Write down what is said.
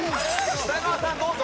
北川さんどうぞ。